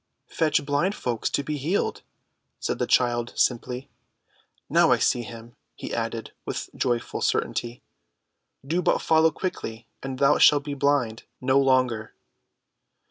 "Fetch blind folks to be healed," said the child simply. "Now I see him," he added, with joyful certainty. "Do but follow quickly and thou shalt be blind no longer!"